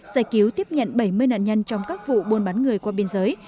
giải cứu tiếp nhận bảy mươi nạn nhân trong các vụ buôn bán người qua biên giới